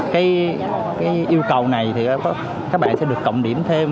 cái yêu cầu này thì các bạn sẽ được cộng điểm thêm